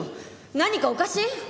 何かおかしい？